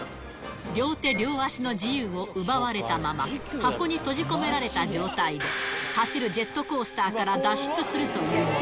両手両足の自由を奪われたまま、箱に閉じ込められた状態で、走るジェットコースターから脱出するというもの。